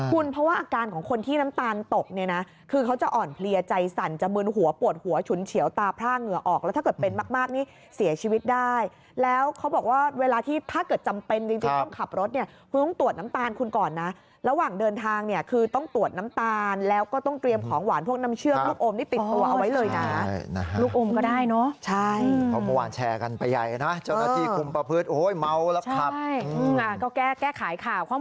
คุณเพราะว่าอาการของคนที่น้ำตาลตกเนี่ยนะคือเขาจะอ่อนเพลียใจสั่นจะมืนหัวปวดหัวฉุนเฉียวตาพร่างเหงื่อออกแล้วถ้าเกิดเป็นมากนี่เสียชีวิตได้แล้วเขาบอกว่าเวลาที่ถ้าเกิดจำเป็นจริงต้องขับรถเนี่ยคุณต้องตรวจน้ำตาลคุณก่อนนะระหว่างเดินทางเนี่ยคือต้องตรวจน้ำตาลแล้วก็ต้องเตรีย